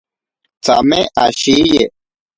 Tsame ashiye.